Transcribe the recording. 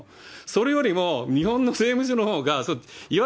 それよりも日本の税務署のほうが、いわ